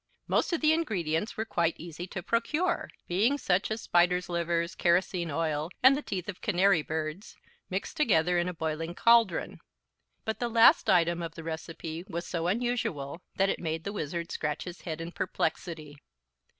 Most of the ingredients were quite easy to procure, being such as spiders' livers, kerosene oil and the teeth of canary birds, mixed together in a boiling caldron. But the last item of the recipe was so unusual that it made the Wizard scratch his head in perplexity.